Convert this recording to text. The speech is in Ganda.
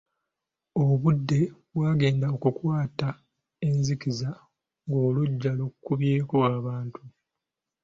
Obudde bwagenda okukwata enzikiza ng'oluggya lukubyeko abantu.